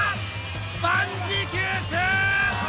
万事休す！